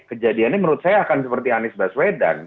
kejadiannya menurut saya akan seperti anies baswedan